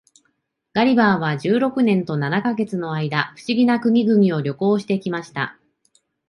ガリバーは十六年と七ヵ月の間、不思議な国々を旅行して来ました。